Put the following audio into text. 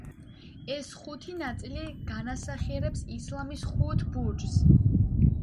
ეს ხუთი ნაწილი განასახიერებს ისლამის ხუთ ბურჯს.